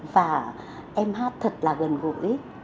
và em hát thật là gần gũi